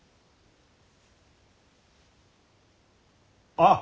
あっ！